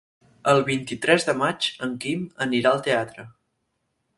El vint-i-tres de maig en Quim anirà al teatre.